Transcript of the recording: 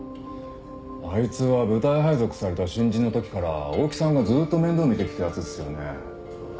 あいつは部隊配属された新人のときから大木さんがずーっと面倒見てきたやつっすよね？